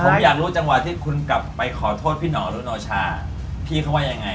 บ๊วยบ๊วยบ๊วยผมอยากรู้จังหวะที่คุณกลับไปขอโทษพี่หนองลูกโนชาพี่เขาว่ายังไง